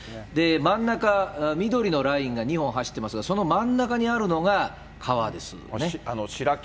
真ん中、緑のラインが２本走っていますが、その真ん中にあるのが川です。